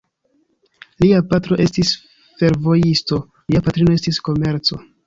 Lia patro estis fervojisto, lia patrino estis komerco.